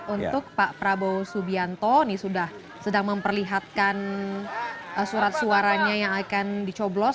untuk pak prabowo subianto ini sudah sedang memperlihatkan surat suaranya yang akan dicoblos